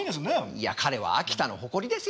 いや彼は秋田の誇りですよ。